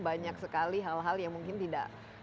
banyak sekali hal hal yang mungkin tidak